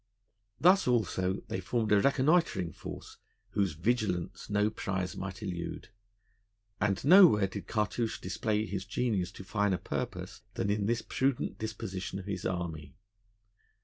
Thus, also, they formed a reconnoitring force, whose vigilance no prize might elude; and nowhere did Cartouche display his genius to finer purpose than in this prudent disposition of his army.